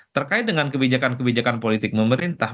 terkait dengan kebijakan kebijakan politik pemerintah